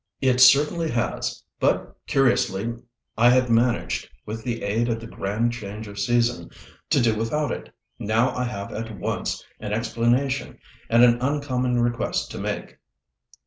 "It certainly has; but, curiously, I had managed, with the aid of the grand change of season, to do without it. Now I have at once an explanation and an uncommon request to make."